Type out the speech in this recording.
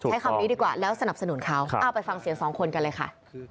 ใช้คำนี้ดีกว่าแล้วสนับสนุนเขาเอาไปฟังเสียงสองคนกันเลยค่ะ